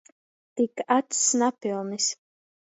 Tik acs napylnys.